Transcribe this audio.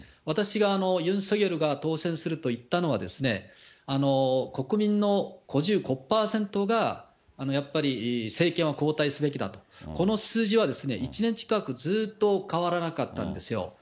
私がユン・ソギョルが当選するといったのは、国民の５５％が、やっぱり政権は交代すべきだと、この数字は１年近く、ずっと変わらなかったんですよ。